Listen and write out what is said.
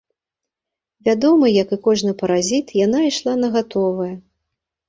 Вядома, як і кожны паразіт, яна ішла на гатовае.